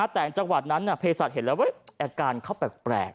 แต่จังหวัดนั้นอาจเห็นแล้วแรกการเข้าแปลก๑๖๑